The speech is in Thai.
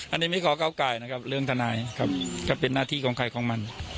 อันนี้ไม่ขอก้าวไก่นะครับเรื่องทนายครับก็เป็นหน้าที่ของใครของมัน